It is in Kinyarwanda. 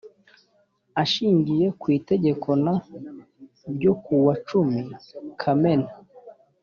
ashingiye ku itegeko n ryo kuwa cumi kamena